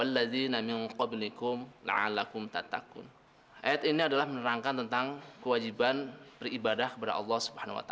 ayat ini adalah menerangkan tentang kewajiban beribadah kepada allah swt